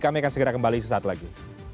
kami akan segera kembali sesaat lagi